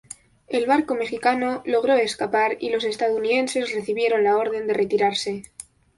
El barco mexicano logró escapar y los estadounidenses recibieron la orden de retirarse.